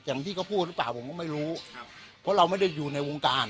อย่างที่เขาพูดหรือเปล่าผมก็ไม่รู้ครับเพราะเราไม่ได้อยู่ในวงการ